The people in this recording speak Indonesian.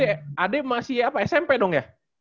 ade masih apa smp dong ya